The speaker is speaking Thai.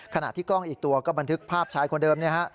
ขณะที่กล้องอีกตัวก็บันทึกภาพชายคนเดิมเนี่ยฮะ